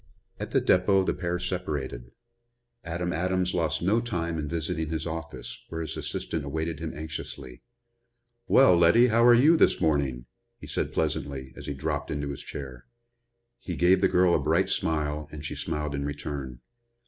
At the depot the pair separated. Adam Adams lost no time in visiting his office, where his assistant awaited him anxiously. "Well, Letty, how are you this morning?" he said pleasantly, as he dropped into his chair. He gave the girl a bright smile and she smiled in return.